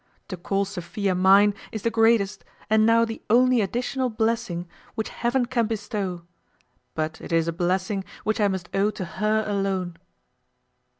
To call Sophia mine is the greatest, and now the only additional blessing which heaven can bestow; but it is a blessing which I must owe to her alone."